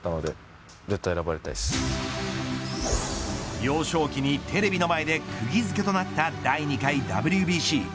幼少期にテレビの前でくぎ付けとなった第２回ＷＢＣ。